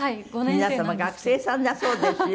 皆様学生さんだそうですよ。